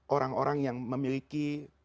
orang orang yang memiliki